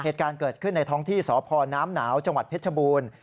เหตุการณ์เกิดขึ้นในท้องที่สพน้ำหนาวจังหวัดเพชรบูรณ์